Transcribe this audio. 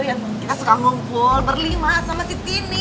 yang kita suka ngumpul berlima sama si tini